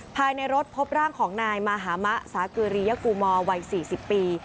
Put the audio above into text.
ภายในรถพบร่างของนายมหามะสาคือรียะกูมอว์วัยสี่สิบปี